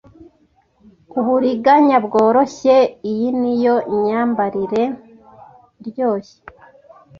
Uburiganya bworoshye Iyi niyo myambarire iryoshye